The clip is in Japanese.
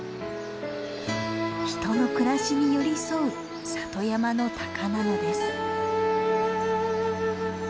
人の暮らしに寄り添う里山のタカなのです。